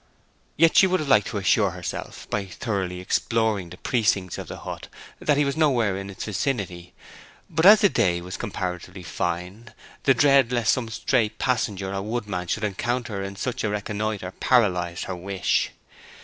Yet she would have liked to assure herself, by thoroughly exploring the precincts of the hut, that he was nowhere in its vicinity; but as the day was comparatively fine, the dread lest some stray passenger or woodman should encounter her in such a reconnoitre paralyzed her wish.